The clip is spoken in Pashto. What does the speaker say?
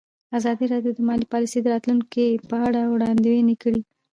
ازادي راډیو د مالي پالیسي د راتلونکې په اړه وړاندوینې کړې.